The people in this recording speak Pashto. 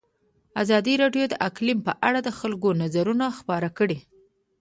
ازادي راډیو د اقلیم په اړه د خلکو نظرونه خپاره کړي.